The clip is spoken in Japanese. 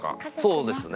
そうですね。